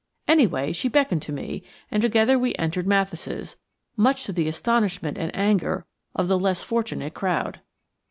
Anyway, she beckoned to me, and together we entered Mathis', much to the astonishment and anger of the less fortunate crowd.